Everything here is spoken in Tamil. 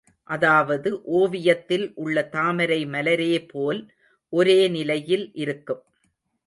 அதாவது, ஓவியத்தில் உள்ள தாமரை மலரேபோல் ஒரே நிலையில் இருக்கும்.